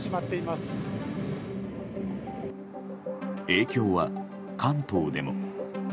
影響は関東でも。